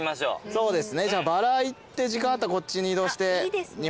そうですねじゃあバラ行って時間あったらこっちに移動して日本庭園行きましょうか。